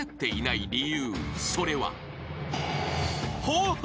［それは］